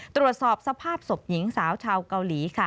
ตรวจสอบสภาพศพหญิงสาวชาวเกาหลีค่ะ